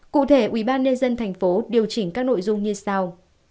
cụ thể ubnd tp điều chỉnh các nội dung như sau